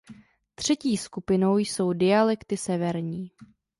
Třetí skupinou jsou dialekty severní.